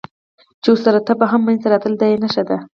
چې ورسره تبه هم منځته راتلل، دا یې نښه ده.